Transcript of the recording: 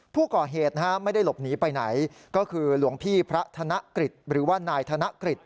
ผู้ก่อเหตุนะฮะไม่ได้หลบหนีไปไหนก็คือหลวงพี่พระธนกฤษหรือว่านายธนกฤษ